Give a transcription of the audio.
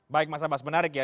baik mas abas menarik ya